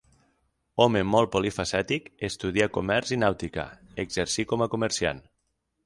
Home molt polifacètic, estudià comerç i nàutica, exercí com a comerciant.